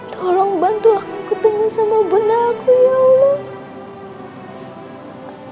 tolong bantu aku ketemu sama benar aku ya allah